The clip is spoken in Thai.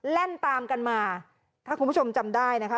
เล่นตามกันมาถ้าคุณผู้ชมจำได้นะคะ